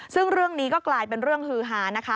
ซึ่งเรื่องนี้ก็กลายเป็นเรื่องฮือฮานะคะ